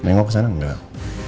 mengok ke sana enggak